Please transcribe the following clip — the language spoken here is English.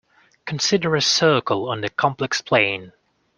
Consider a circle on the complex plane.